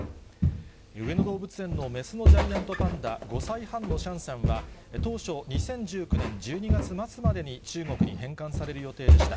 上野動物園の雌のジャイアントパンダ、５歳半のシャンシャンは、当初、２０１９年１２月末までに中国に返還される予定でした。